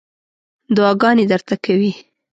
دعاګانې درته کوي.